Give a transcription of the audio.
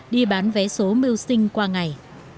đi bán vé số mưu sinh qua ngày